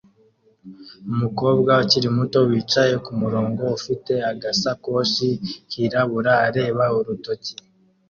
Umukobwa ukiri muto wicaye kumurongo ufite agasakoshi kirabura areba urutoki